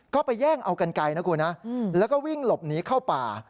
ก็ไปแย่งเอากันไกลนะคุณนะแล้วก็วิ่งหลบหนีเข้าป่า